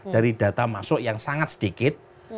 dari data masuk yang sangat sedikit